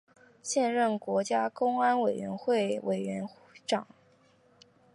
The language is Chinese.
现任国家公安委员会委员长。